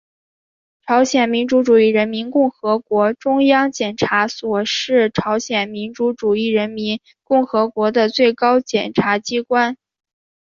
朝鲜民主主义人民共和国中央检察所是朝鲜民主主义人民共和国的最高检察机关。